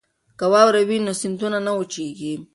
که واوره وي نو سیندونه نه وچیږي.